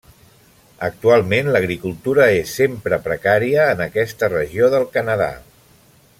Actualment l'agricultura és sempre precària en aquesta regió del Canadà.